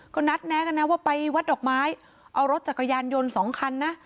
ก็นัดแนะกันนะว่าไปวัดดอกไม้เอารถจักรยานยนต์สองคันนะ